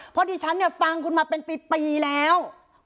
เพราะดิฉันเนี่ยฟังคุณมาเป็นปีแล้ว